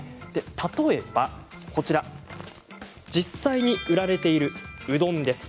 例えば、実際に売られているこのうどんです。